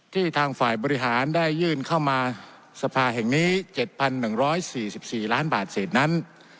ที่ทางฝ่ายบริหารได้ยื่นเข้ามาสภาแห่งนี้เจ็ดพันหนึ่งร้อยสี่สิบสี่ล้านบาทเศษนั้น